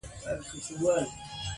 o گيله نيمايي جنگ دئ٫